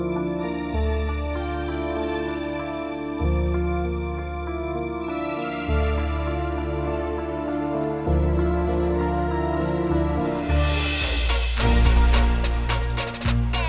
lo punyakan nomor dia